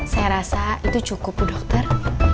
saya rasa itu cukup dokter